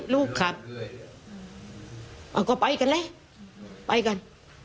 แล้วก็ไปกันเลยไปกัน